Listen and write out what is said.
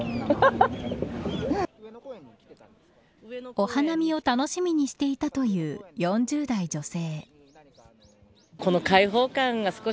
お花見を楽しみにしていたという４０代女性。